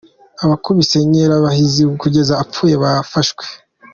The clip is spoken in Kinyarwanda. Abakubise Nkerabahizi kugeza apfuye bafashwe